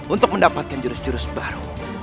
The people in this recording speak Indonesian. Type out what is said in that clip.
untuk mendapatkan jurus jurus baru